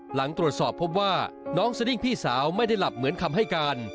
หลังตรวจสอบพบว่าน้องสดิ้งพี่สาวไม่ได้หลับเหมือนคำให้การ